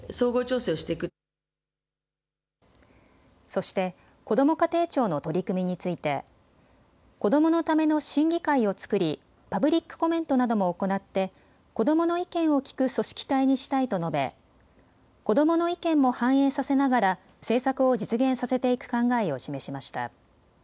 そして、こども家庭庁の取り組みについて子どものための審議会を作りパブリックコメントなども行って子どもの意見を聴く組織体にしたいと述べ子どもの意見も反映させながら政策を実現させていく考えを示しました。